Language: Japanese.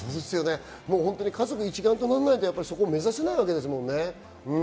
家族一丸とならないと目指せないですもんね。